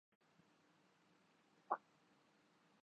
وہاں گاڑیاں کم ہی جاتی ہیں ۔